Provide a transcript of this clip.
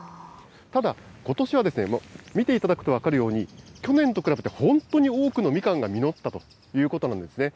ただ、ことしは見ていただくと分かるように、去年と比べて本当に多くのみかんが実ったということなんですね。